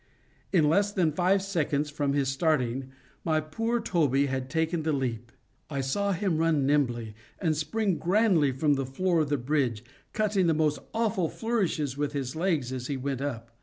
In less than five seconds from his starting, my poor Toby had taken the leap. I saw him run nimbly, and spring grandly from the floor of the bridge, cutting the most awful flourishes with his legs as he went up.